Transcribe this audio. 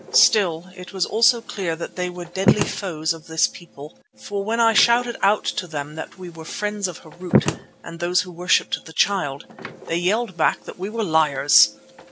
Still, it was also clear that they were deadly foes of this people, for when I shouted out to them that we were the friends of Harût and those who worshipped the Child, they yelled back that we were liars.